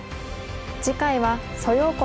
次回は蘇耀国